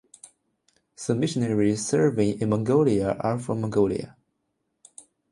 Some missionaries serving in Mongolia are from Mongolia.